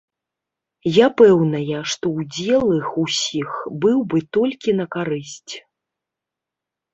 Я пэўная, што ўдзел іх усіх быў бы толькі на карысць.